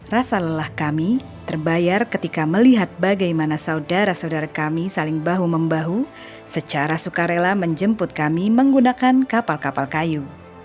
rasa lelah kami terbayar ketika melihat bagaimana saudara saudara kami saling bahu membahu secara sukarela menjemput kami menggunakan kapal kapal kayu